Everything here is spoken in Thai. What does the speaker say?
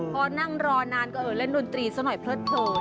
พอนั่งรอนานก็เออเล่นดนตรีซะหน่อยเลิด